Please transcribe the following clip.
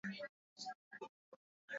Sisi hujikaza masomoni